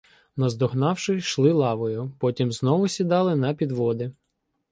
Наздогнавши, йшли лавою, потім знову сідали на підводи.